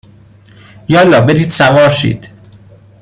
یالا برید سوار شید